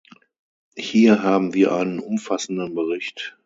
Hier haben wir einen umfassenden Bericht.